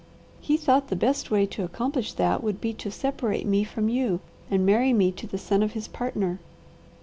He thought the best way to accomplish that would be to separate me from you and marry me to the son of his partner.